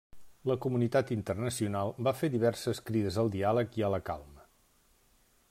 La comunitat internacional va fer diverses crides al diàleg i a la calma.